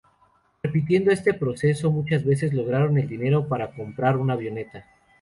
Repitiendo este proceso muchas veces lograron el dinero para comprar una avioneta.